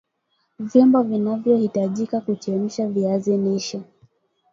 vyombo vinavyohitajika kuchemsha viazi lishe